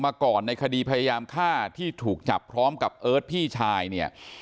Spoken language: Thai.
มาก่อนในคดีพยายามฆ่าที่ถูกจับพร้อมกับเอิร์ทพี่ชายเนี่ย